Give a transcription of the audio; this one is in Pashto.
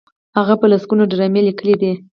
هغه په لسګونو ډرامې لیکلي دي.